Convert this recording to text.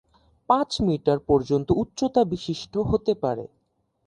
পাঁচ মিটার পর্যন্ত উচ্চতা বিশিষ্ট হতে পারে।